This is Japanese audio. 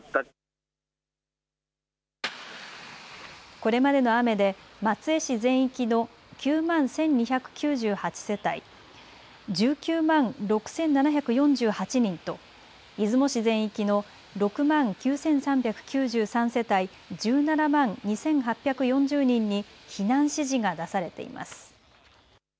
これまでの雨で松江市全域の９万１２９８世帯１９万６７４８人と出雲市全域の６万９３９３世帯１７万２８４０人に避難指示が出されています。